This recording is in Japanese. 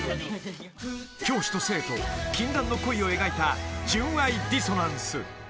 ［教師と生徒禁断の恋を描いた『純愛ディソナンス』］